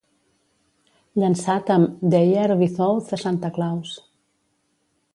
Llançat amb "The year without a Santa Claus"